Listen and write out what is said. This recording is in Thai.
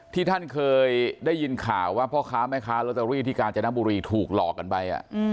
ท่านเคยได้ยินข่าวว่าพ่อค้าแม่ค้าลอตเตอรี่ที่กาญจนบุรีถูกหลอกกันไป